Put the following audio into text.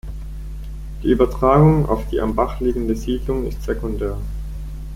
Die Übertragung auf die am Bach liegende Siedlung ist sekundär.